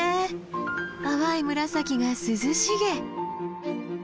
淡い紫が涼しげ。